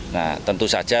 nah tentu saja